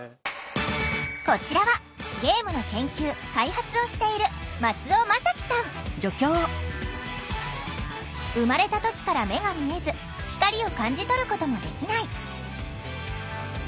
こちらはゲームの研究・開発をしている生まれた時から目が見えず光を感じ取ることもできない。